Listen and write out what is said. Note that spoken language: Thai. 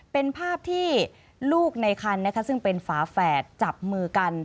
เป็นภาพที่ลูกในคันนะคะซึ่งเป็นฝาแฝดจับมือกัน